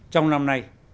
trong năm nay